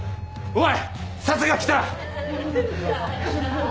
おい。